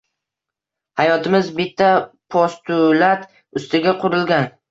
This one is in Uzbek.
Hayotimiz bitta postulat ustiga qurilgan.